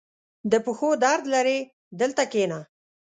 • د پښو درد لرې؟ دلته کښېنه.